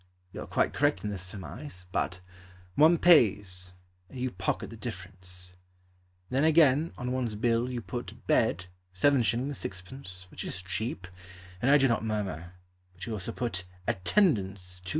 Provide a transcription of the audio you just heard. You are quite correct in this surmise. But One pays, And you pocket the difference. Then, again, on one's bill You put Bed, 7s. 6d. Which is cheap; And I do not murmur; But you also put Attendance, 2s.